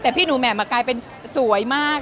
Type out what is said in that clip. แต่พี่หนูแหม่มกลายเป็นสวยมาก